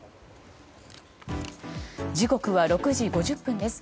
時刻は６時５０分です。